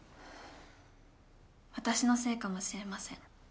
私のせいかもしれません。